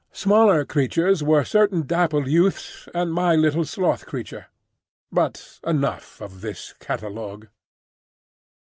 Smaller creatures were certain dappled youths and my little sloth creature. But enough of this catalogue.